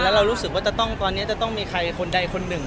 แล้วเรารู้สึกว่าตอนนี้จะต้องมีใครคนใดคนหนึ่ง